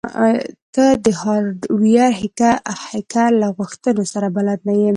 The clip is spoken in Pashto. ته د هارډویر هیکر له غوښتنو سره بلد نه یې